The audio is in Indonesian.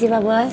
ini sih pak bos